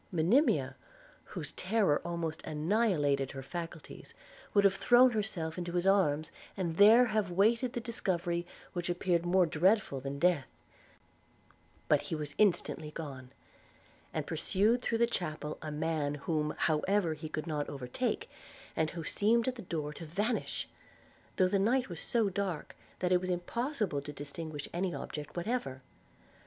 Monimia, whose terror almost annihilated her faculties, would have thrown herself into his arms, and there have waited the discovery which appeared more dreadful than death: but he was instantly gone, and pursued through the chapel a man, whom however he could not overtake, and who seemed at the door to vanish – though the night was so dark, that it was impossible to distinguish any object whatever.